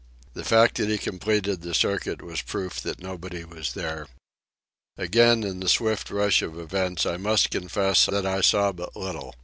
The fact that he completed the circuit was proof that nobody was there. Again, in the swift rush of events, I must confess that I saw but little.